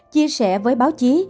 chia sẻ với báo chí